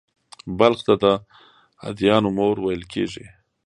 بلخ ته «د ادیانو مور» ویل کېږي